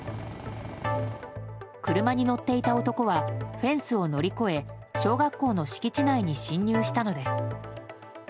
車に乗っていた男はフェンスを乗り越え小学校の敷地内に侵入したのです。